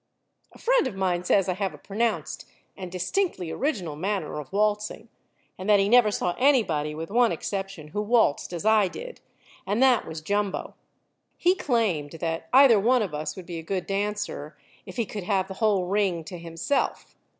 A friend of mine says I have a pronounced and distinctly original manner of waltzing, and that he never saw anybody, with one exception, who waltzed as I did, and that was Jumbo. He claimed that either one of us would be a good dancer if he could have the whole ring to himself.